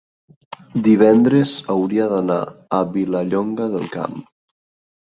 divendres hauria d'anar a Vilallonga del Camp.